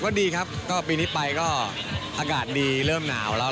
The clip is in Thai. ก็ดีครับก็ปีนี้ไปก็อากาศดีเริ่มหนาวแล้ว